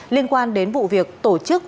liên quan đến vụ việc tổ chức